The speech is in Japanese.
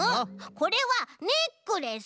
これはネックレス！